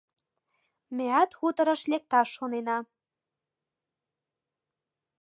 Меат хуторыш лекташ шонена.